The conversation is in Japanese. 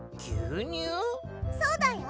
そうだよ。